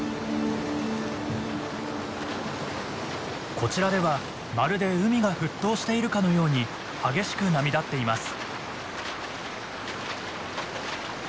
こちらではまるで海が沸騰しているかのように激しく波立っています。